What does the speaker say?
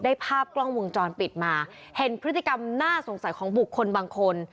ภาพกล้องวงจรปิดมาเห็นพฤติกรรมน่าสงสัยของบุคคลบางคน